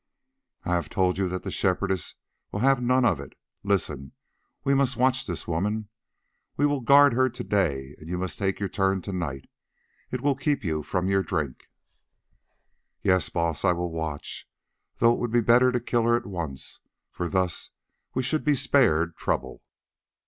"I have told you that the Shepherdess will have none of it. Listen: we must watch this woman; we will guard her to day and you must take your turn to night—it will keep you from your drink." "Yes, Baas, I will watch, though it would be better to kill her at once, for thus we should be spared trouble."